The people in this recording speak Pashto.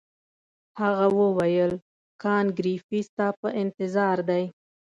هغه وویل کانت ګریفي ستا په انتظار دی.